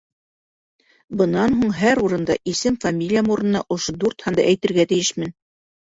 Бынан һуң һәр урында исем-фамилиям урынына ошо дүрт һанды әйтергә тейешмен.